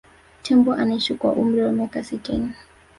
tembo anaishi kwa umri wa miaka sitini